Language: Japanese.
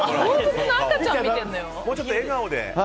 もうちょっと笑顔で。